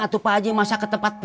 atau pak haji masa ke tempat mancing